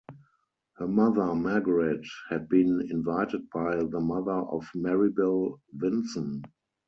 Her mother, Margaret, had been invited by the mother of Maribel Vinson.